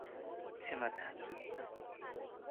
क्षमा चाहन्छु।